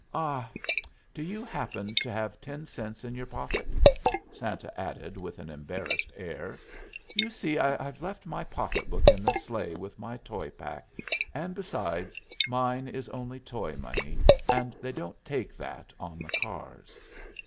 Ah, do you happen to have ten cents in your pocket?" Santa added with an embarrassed air. "You see, I've left my pocketbook in the sleigh with my toy pack; and, besides, mine is only toy money, and they won't take that on the cars."